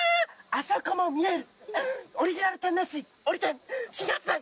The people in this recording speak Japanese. あそこも見えるオリジナル天然水オリ天新発売